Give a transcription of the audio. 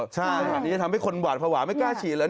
ใช่ขนาดนี้จะทำให้คนหวาดภาวะไม่กล้าฉีดเลย